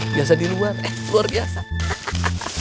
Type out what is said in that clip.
biasa di luar eh luar biasa